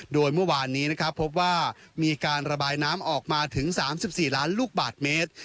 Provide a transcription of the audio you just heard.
โดยเมื่อวานนี้นะครับพบว่ามีการระบายน้ำออกมาถึง๓๔ล้านลูกบาทเมตร